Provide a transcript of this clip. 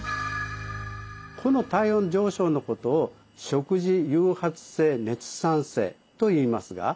この体温上昇のことを「食事誘発性熱産生」といいますが実はこれはですね